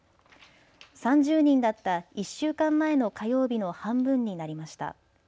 ３０人だった１週間前の火曜日の半分になりました。